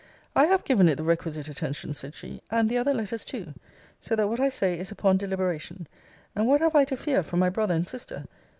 I have given it the requisite attention, said she; and the other letters too. So that what I say is upon deliberation. And what have I to fear from my brother and sister?